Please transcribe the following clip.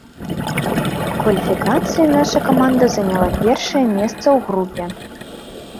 У кваліфікацыі наша каманда заняла першае месца ў групе.